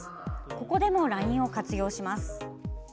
ここでもＬＩＮＥを活用します。